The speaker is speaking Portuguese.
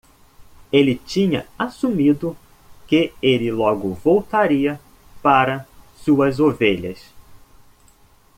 Ele tinha assumido que ele logo voltaria para suas ovelhas.